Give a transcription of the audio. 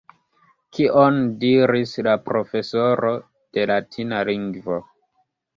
Kion diris la profesoro de latina lingvo?